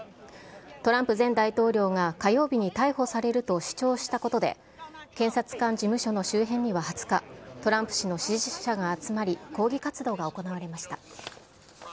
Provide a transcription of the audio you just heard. トランプ前大統領が火曜日に逮捕されると主張したことで、検察官事務所の周辺には２０日、トランプ氏の支持者が集まり、抗議活動が行われました。